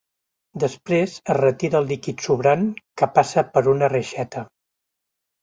Després, es retira el líquid sobrant, que passa per una reixeta.